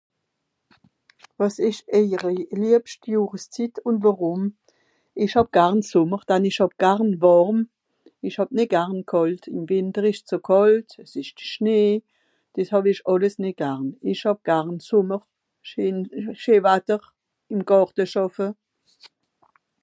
wàs esch eijere liebscht johreszit ùn wòrùm òsch hàb garn sommer dann ìsch hàb garn wàrm ìsch hàb nìt garn kàlt ìm wìnter esch zu kàlt as esch schnee des hàw'ìsch àlles nìt garn ìsch hàb garn sommer scheen scheen watter ìm gàrte schàffe